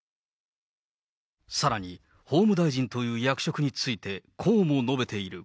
さらに法務大臣という役職についてこうも述べている。